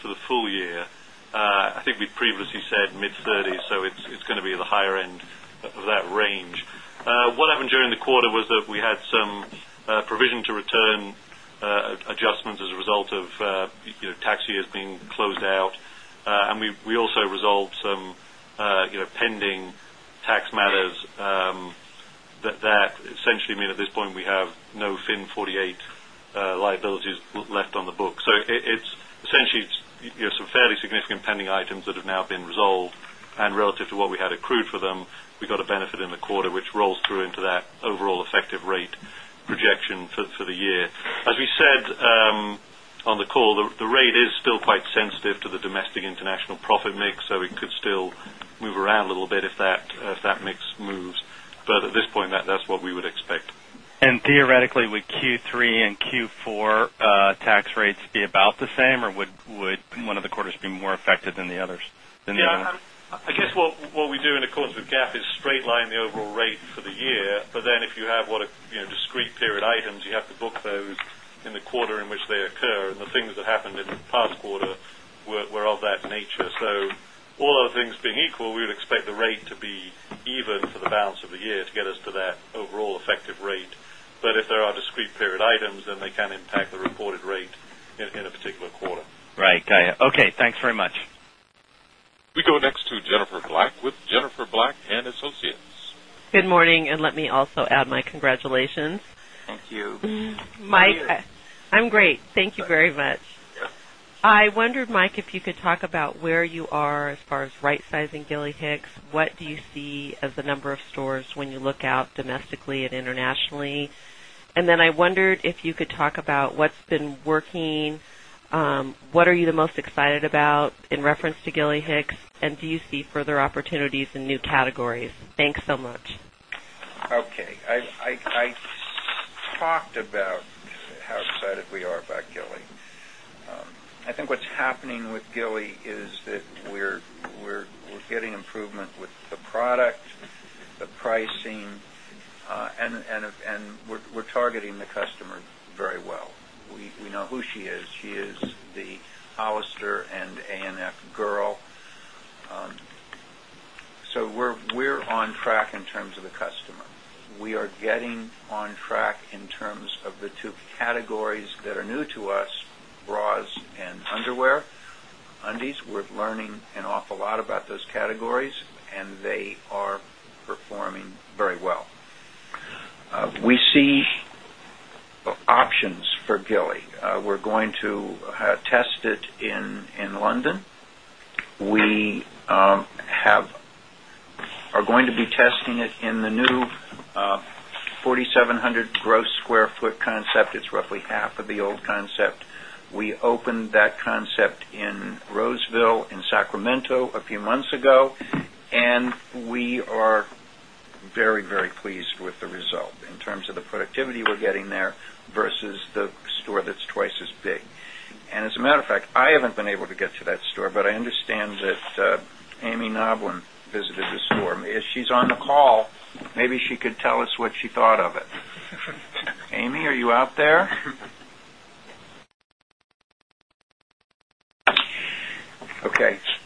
Speaker 2: for the full year. I think we previously said mid-30s, so it's going to be at the higher end of that range. What happened during the quarter was that we had some provision to return adjustments as a result of tax years being closed out. And we also resolved some pending tax matters that essentially mean at this point we have no FIN 48 liabilities left on the book. So it's essentially some fairly significant pending items that have now been resolved and relative to what we had accrued for them, we got a benefit in the quarter, which rolls through into that overall effective rate projection for the year. As we said on the call, the rate is still quite sensitive to the domestic international profit mix. So we could still move around a little bit if that mix moves. But at this point, that's what we would expect.
Speaker 8: And theoretically, would Q3 and Q4 tax rates be about the same? Or would one of the quarters be more effective than the others? Yes.
Speaker 2: I guess what we do in accordance with GAAP is straight line the overall rate for the year. But then if you have what discrete period items, you have to book those in the quarter in which they occur and the things that happened in the past quarter were of that nature. So all other things being equal, we would expect the rate to be even for the balance of the year to get us to that overall effective rate. But if there are discrete period items, then they can impact the reported rate in a particular quarter.
Speaker 1: We go next to Jennifer Black with Jennifer Black and Associates.
Speaker 12: Good morning. And let me also add my congratulations.
Speaker 1: Thank
Speaker 12: you. Mike, I'm great. Thank you very much. I wondered Mike if you could talk about where you are as far as rightsizing Gilly Hicks. What do you see as the number of stores when you look out domestically and internationally? And then I wondered if you could talk about what's been working? What are you the most excited about in reference to Gilly Hicks? And do you see further opportunities in new categories? Thanks so much.
Speaker 4: Okay. I talked about how excited we are about Gilly. I think what's happening with Gilly is that we're getting improvement with the product, the pricing and we're targeting the customer very well. We know who she is. She is the Alistair and A and F girl. So we're on track in terms of the customer. We are getting on track in terms of the 2 categories that are new to us, bras and underwear. Undies, we're learning an awful lot about those categories and they are performing very well. We see options for Gilly. We're going to test it in London. We have are going to be testing it in
Speaker 2: the new
Speaker 4: 4,700 gross square foot concept. It's roughly half of the old concept. We opened that concept in Roseville, in Sacramento a few months ago and we are very, very pleased with the result in terms of the productivity we're getting there versus the store that's twice as big. And as a matter of fact, I haven't been able to get to that store, but I understand that Amy Noblin visited the store. If she's on the call, maybe she could tell us what she thought of it. Amy, are you out there? Okay.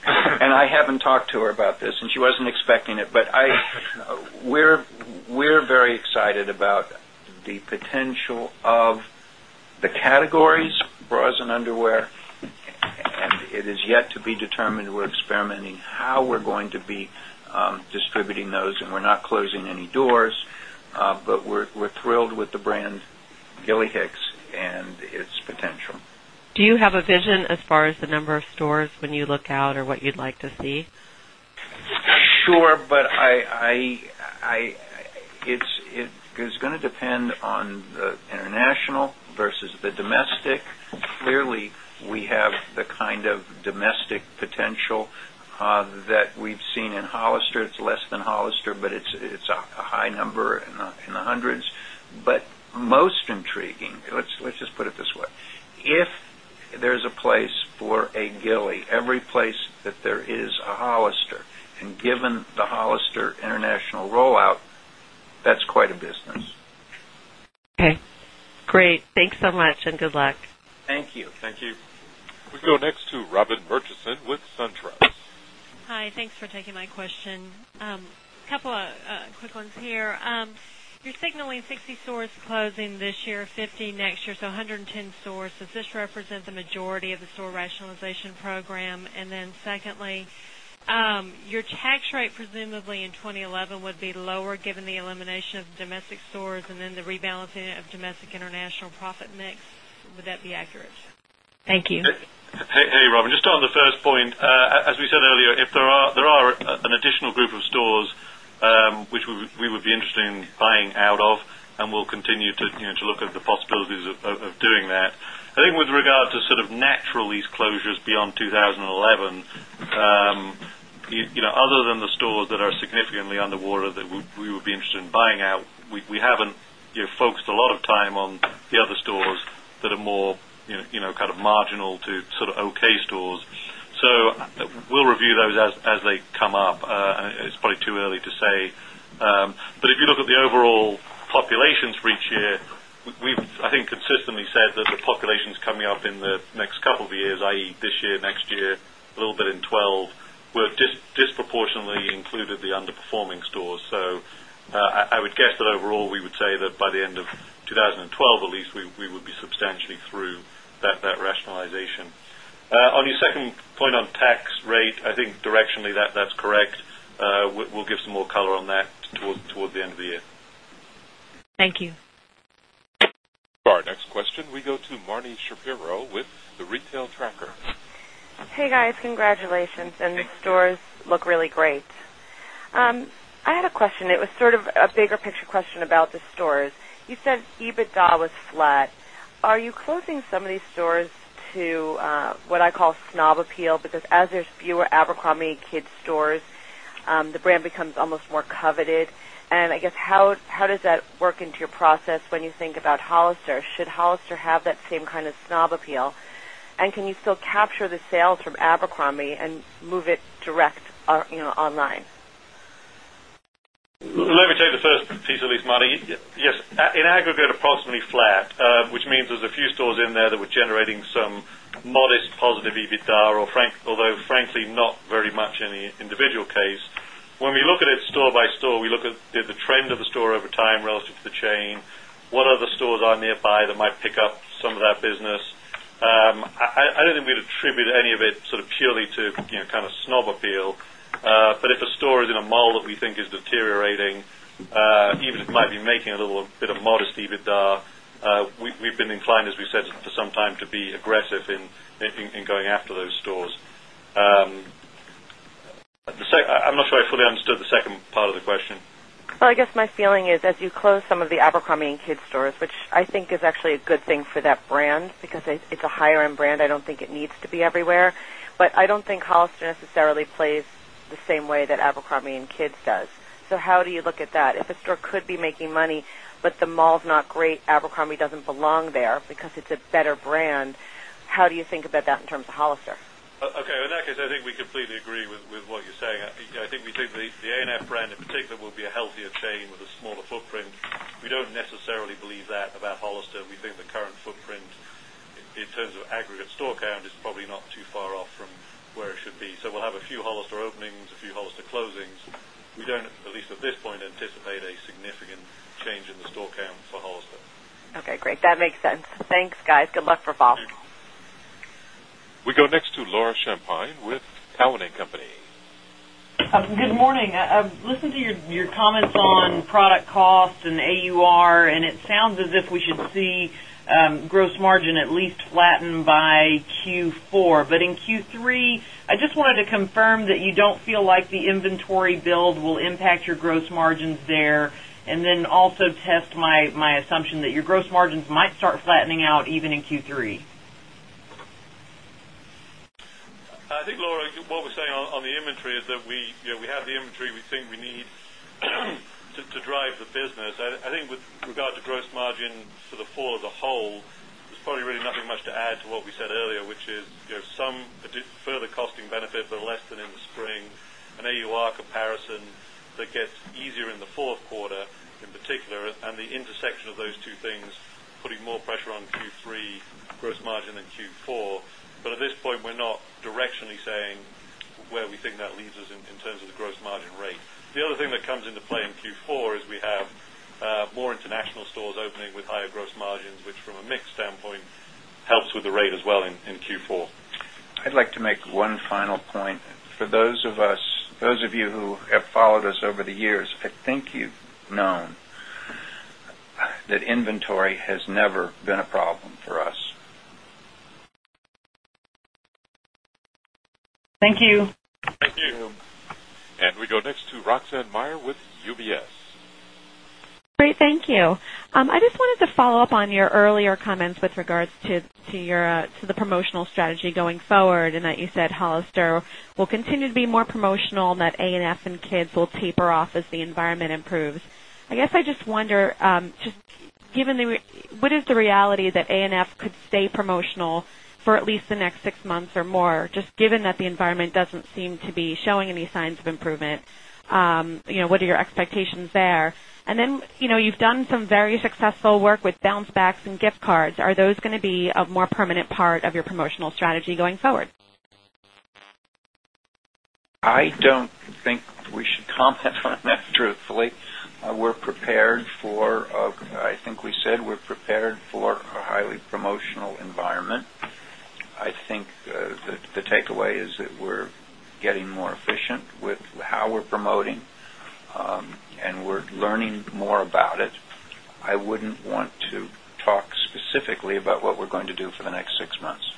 Speaker 4: And I haven't talked to her about this and she wasn't expecting it, but I we're very excited about the potential of the categories, bras and underwear, and it is yet to be determined. We're experimenting how we're going to be distributing those and we're not closing any doors, but we're thrilled with the brand Gilly Hicks and its potential.
Speaker 12: Do you have a vision as far as the number of stores when you look out or what you'd like to see?
Speaker 4: Sure. But it's going to depend on the international versus the domestic. Clearly, we have the kind of domestic potential that we've seen in Hollister. It's less than Hollister, but it's a high number in the 100. But most intriguing, let's just put it this way. If there is a place for a Gilly, every place that there is a Hollister and given the Hollister international rollout, that's quite a business.
Speaker 12: Okay, great. Thanks so much and good luck.
Speaker 1: Thank you. Thank you. We go next to Robin Murchison with SunTrust.
Speaker 12: Hi, thanks for taking my question. A couple of quick ones here. You're signaling 60 stores closing this year, 50 next year, so 110 stores. Does this represent the majority of the store rationalization program? And then secondly, your tax rate presumably in 2011 would be lower given the elimination of domestic stores and then the rebalancing of domestic international profit mix? Would that be accurate?
Speaker 2: Robin, just on the first point. As we said earlier, if there are an additional group of stores, which we would be interested in buying out of, and we'll continue to look at the possibilities of doing that. I think with regard to sort of natural lease closures beyond 2011, other than the stores that are significantly underwater that we would be interested in buying out, we haven't focused a lot of time on the other stores that are more kind of marginal to sort of okay stores. So we'll review those as they come up. It's probably too early to say. But if you look at the overall populations for each year, we've, I think, consistently said that the populations coming up in the next couple of years, I. E, this year, next year, a little bit in 'twelve, we've disproportionately included the underperforming stores. So I would guess that overall, we would say that by the end of 2012, at least, we would be substantially through that rationalization. On your second point on tax rate, I think directionally, that's correct. We'll give some more color on that towards the end of the year.
Speaker 12: Thank you.
Speaker 1: Our next question, we go to Marni Shapiro with The Retail Tracker.
Speaker 11: Hey, guys. Congratulations and the stores look really great. I had a question. It was sort of a bigger picture question about the stores. You said EBITDA was flat. Are you closing some of these stores to what I call snob appeal because as there's fewer Abercrombie kids stores, the brand becomes almost more coveted? And I guess how does that work into your process when you think about Hollister? Should Hollister have that same kind of snob appeal? And can you still capture the sales from Abercrombie and move it direct online?
Speaker 2: Let me take the first piece of this, Marty. Yes, in aggregate, approximately flat, which means there's a few stores in there that were generating some modest positive EBITDA or although frankly not very much any individual case. When we look at it store by store, we look at the trend of the store over time relative to the chain, what other stores are nearby that might pick up some of that business. I don't think we'd attribute any of it sort of purely to kind of snob appeal. But if a store is in a mall that we think is deteriorating, even if it might be making a little bit of modest EBITDA, we've been inclined, as we said, for some time to be aggressive in going after those stores. I'm not sure I fully understood the second part of the question.
Speaker 14: Well, I guess my feeling is as
Speaker 11: you close some of the Abercrombie and Kidd stores, which I think is actually a good thing for that brand because it's a higher end brand, I don't think it needs to be But I don't think Hollister necessarily plays the same way that Abercrombie and Kids does. So how
Speaker 5: do you look at that?
Speaker 11: If the store could be making money, but the mall is not great, Abercrombie doesn't belong there because it's a better brand. How do you think about that in terms of Hollister?
Speaker 2: Okay. In that case, I think we completely agree with what you're saying. I think we think the A and F brand in particular will be a healthier chain with a smaller footprint. We don't necessarily believe that about Hollister. We think the current footprint in terms of aggregate store count is probably not too far off from where it should be. So we'll have a few Hollister openings, a few Hollister closings. We don't at least at this point anticipate a significant change in the store count for Hollister.
Speaker 1: We go next to Laura Champine with Cowen and Company.
Speaker 13: Good morning. I've listened to your comments on product costs and AUR and it sounds as if we should see gross margin at least flatten by Q4. But in Q3, I just wanted to confirm that you don't feel like the inventory build will impact your gross margins there and then also test my assumption that your gross margins might start flattening out even in Q3?
Speaker 2: I think Laura, what we're saying on the inventory is that we have the inventory we think we need to drive the business. I think with regard to gross margin for the fall as a whole, there's probably really nothing much to add to what we said earlier, which is some further costing benefit, but less than in the spring, an AUR comparison that gets easier in the Q4 in particular and the intersection of those two things putting more pressure on Q3 gross margin than Q4. But at this point, we're not directionally saying where we think that leads us in terms of the gross margin rate. The other thing that comes into play in Q4 is we have more international stores opening with higher gross margins, which from a mix standpoint helps with the rate as well in Q4.
Speaker 4: I'd like to make one final point. For those of us those of you who have followed us over the years, I think you've known that inventory has never been a problem for us.
Speaker 13: Thank you.
Speaker 2: Thank you. And we
Speaker 1: go next to Roxanne Meyer with UBS.
Speaker 12: Thank you. I just wanted to follow-up on your earlier comments with regards to your to the promotional strategy going forward and that you said Hollister will continue to be more promotional and that A and F and kids will taper off as the environment improves. I guess I just wonder just given the what is the reality that A and F could stay promotional for at least the next 6 months or more just given that the environment doesn't seem to be showing any signs of improvement? What are your expectations there? And then you've done some very successful work with bounce backs and gift cards. Are those going to be a more permanent part of your promotional strategy going forward?
Speaker 4: I don't think we should comment on that truthfully. We're prepared for I think we said we're prepared for a highly promotional environment. I think the takeaway is that we're getting more efficient with how we're promoting and we're learning more about it. I wouldn't want to talk specifically about what we're going to do for the next 6 months.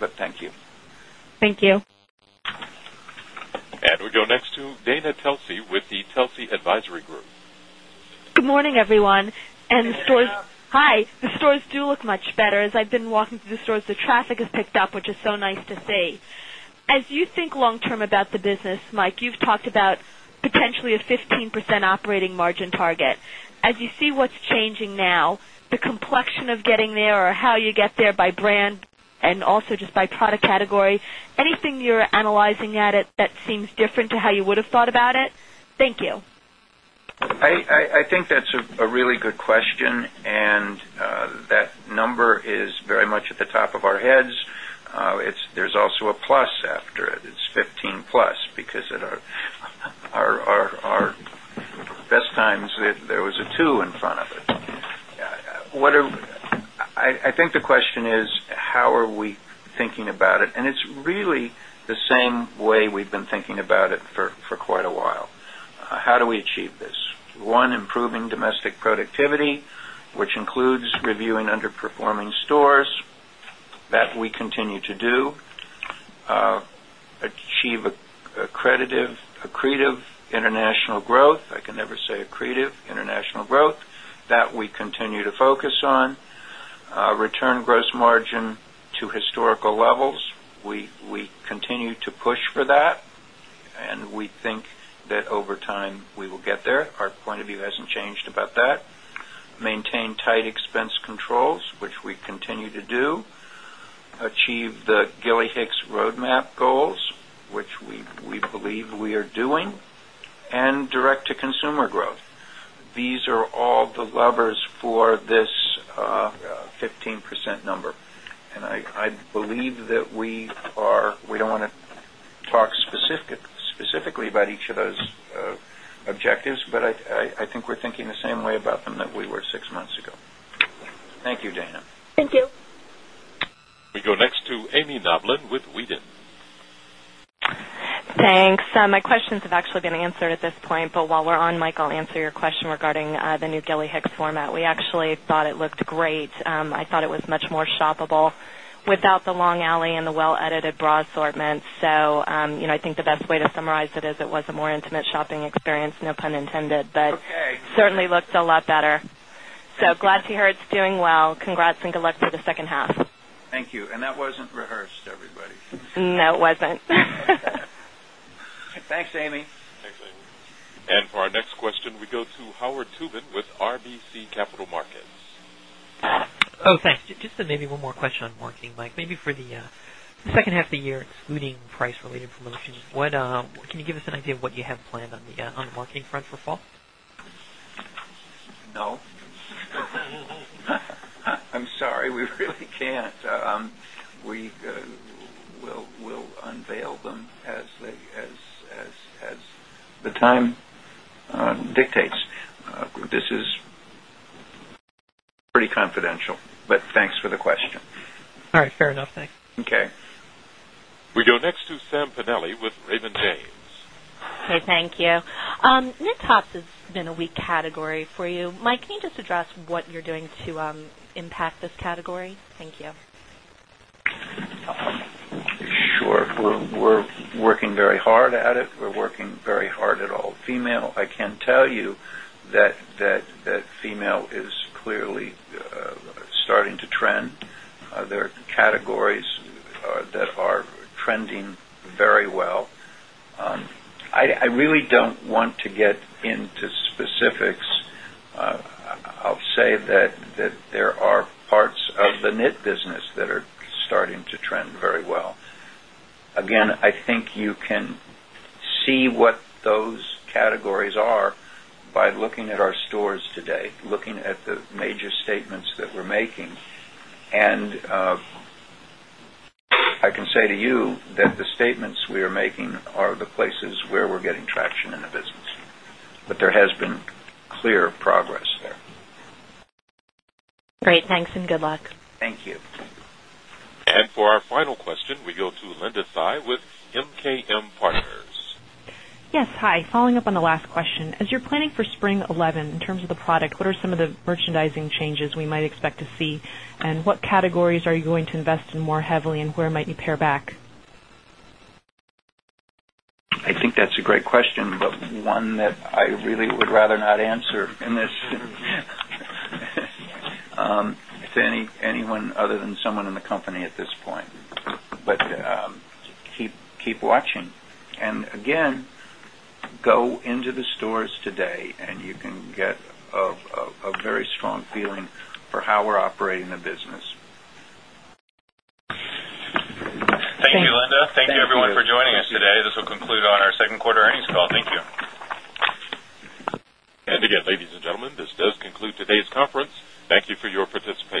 Speaker 4: But thank you.
Speaker 9: Thank you.
Speaker 1: And we go next to Dana Telsey with the Telsey Advisory Group.
Speaker 9: Good morning, everyone. Hi. Hi. The stores do look much better. As I've been walking through the stores, the traffic has picked up, which is so nice to see. As you think long term about the business, Mike, you've talked about potentially a 15% operating margin target. As you see what's changing now, the complexion of getting there or how you get there by brand and also just by product category, anything you're analyzing at it that seems different to how you would have thought about it? Thank you.
Speaker 4: I think that's a really good question and that number is very much at the top of our heads. There is also a plus after it. It's 15 plus because at our best times there was a 2 in front of it. I think the question is how are we thinking about it and it's really the same way we've been thinking about it for quite a while. How do we achieve this? 1, improving domestic productivity, which includes reviewing underperforming stores that we continue to do, achieve accretive international growth, I can never say accretive international growth that we continue to focus on, return gross margin to historical levels, we continue to push for that and we think that over time we will get there. Our point of view hasn't changed about that. Maintain tight expense controls, which we continue to do. Achieve the Gilly Hicks roadmap goals, which we believe we are doing, and direct to consumer growth. These are all the levers for this 15% number. And I believe that we are we don't want to talk specifically about each of those objectives, but I think we're thinking the same way about them that we were 6 months ago. Thank you, Dana.
Speaker 9: Thank you.
Speaker 1: We go next to Amy Doblin with Weden.
Speaker 14: Thanks. My questions have actually been answered at this point. But while we're on, Mike, I'll answer your question regarding the new Gilly Hicks format. We actually thought it looked great. I thought it was much more shoppable without the long alley and the well edited bra assortment. So I think the best way to summarize it is it was a more intimate shopping experience, no pun intended, but certainly looked a lot better. So glad to hear it's doing well. Congrats and good luck for the second half.
Speaker 4: Thank you. And that wasn't rehearsed everybody.
Speaker 14: No, it wasn't.
Speaker 5: Thanks, Amy.
Speaker 2: Thanks, Amy. And for
Speaker 1: our next question, we go to Howard Tubman with RBC Capital Markets. Thanks.
Speaker 15: Just maybe one more question on marketing, Mike. Maybe for the second half of the year excluding price related information, what can you give us an idea of what you have planned on the marketing front for fall? No.
Speaker 4: I'm sorry, we really can't. We'll unveil them as the time dictates. This is pretty confidential, but thanks for the question.
Speaker 5: All right,
Speaker 15: fair enough. Thanks.
Speaker 1: Okay. We go next to Sam Panelli with Raymond James.
Speaker 12: Thank you. Has been a weak category for you. Mike, can you just address what you're doing to impact this category? Thank you.
Speaker 4: Sure. We're working very hard at it. We're working very hard at all. Female, I can tell you that female is clearly starting to trend. There are categories that are trending very well. I really don't want to get into specifics. I'll say that there are parts of the knit business that are starting to trend very well. Again, I think you can see what those categories are by looking at our stores today, looking at the major statements that we're making. And I can say to you that the statements we are making are the places where we're getting traction in the business. But there has been clear progress there.
Speaker 12: Great. Thanks and good luck.
Speaker 5: Thank you.
Speaker 1: And for our final question, we go to Linda Tsai with MKM Partners.
Speaker 12: Yes. Hi. Following up on the last question, as you're planning for spring 2011 in terms of the product, what are some of the merchandising changes we might expect to see? And what categories are you going to invest in more heavily and where might you pair back?
Speaker 4: I think that's a great question, but one that I really would rather not answer in this, if anyone other than someone in the company at this point. But keep watching. And again, go into the stores today and you can get a very strong feeling for how we're operating the business.
Speaker 3: Thank you, Linda. Thank you everyone for joining us today. This will conclude on our 2nd quarter earnings call. Thank you.
Speaker 1: And again, ladies and gentlemen, this does conclude today's conference. Thank you for your participation.